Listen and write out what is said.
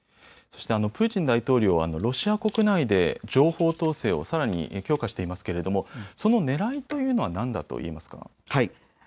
そしてプーチン大統領はロシア国内で情報統制をさらに強化していますがそのねらいというのは何だと言えますか。